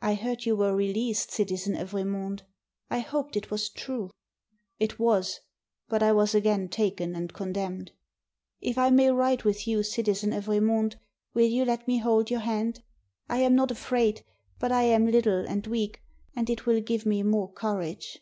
"I heard you were released. Citizen Evremonde. I hoped it was true?" "It was. But I was again taken and condemned." "If I may ride with you, Citizen Evremonde, will you let me hold your hand? I am not afraid, but I am httle and weak, and it will give me more courage."